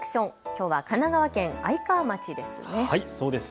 きょうは神奈川県愛川町です。